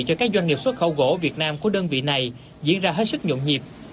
cho các doanh nghiệp xuất khẩu gỗ việt nam của đơn vị này diễn ra hết sức nhộn nhịp